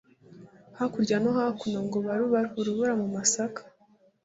Hakurya no hakuno ngo barubaru-Urubura mu masaka.